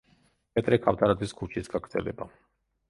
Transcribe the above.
პეტრე ქავთარაძის ქუჩის გაგრძელება.